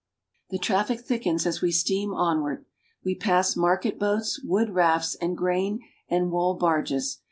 The traffic thickens as v/e steam onward. We pass market boats, wood rafts, and grain and wool barges.